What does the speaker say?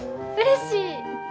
うれしい。